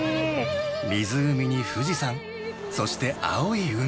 湖に富士山、そして青い海。